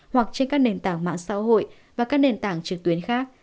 hoặc trên các nền tảng mạng xã hội và các nền tảng trực tuyến khác